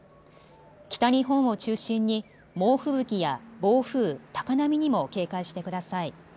北日本を中心に猛吹雪や暴風、高波にも警戒してください。